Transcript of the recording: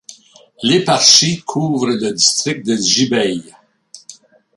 L'éparchie couvre le district de Jbeil.